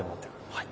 はい。